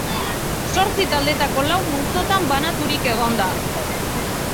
Zortzi taldetako lau multzotan banaturik egon da.